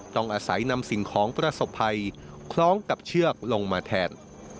ต้องอาศัยนำสิ่งของประสบภัยคล้องกับเชือกลงมาแทน